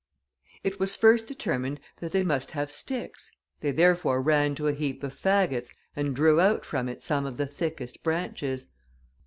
It was first determined that they must have sticks; they therefore ran to a heap of faggots, and drew out from it some of the thickest branches.